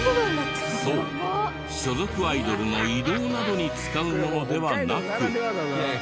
そう所属アイドルの移動などに使うものではなく。